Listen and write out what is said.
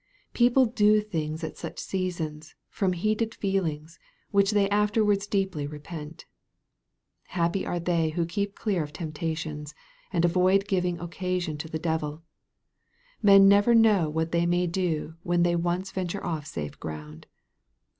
People do things at such seasons, from heated feelings, which they afterwards deeply repent. Happy are they who keep clear of temptations, and avoid giving occasion to the devil ! Men never know what they may do when they once venture off safe ground.